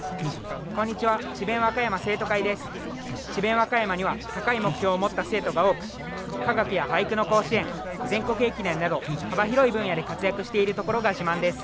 和歌山には高い目標を持った生徒が多く科学や俳句の甲子園全国駅伝など幅広い分野で活躍しているところが自慢です。